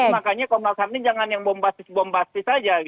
makanya kompalsan ini jangan yang bombastis bombastis saja